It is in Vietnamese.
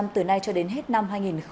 từ nay cho đến hết năm hai nghìn hai mươi